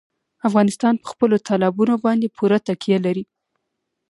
افغانستان په خپلو تالابونو باندې پوره تکیه لري.